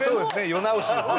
世直しですね。